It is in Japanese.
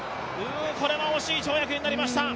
これは惜しい跳躍になりました。